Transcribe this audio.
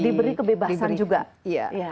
diberi kebebasan juga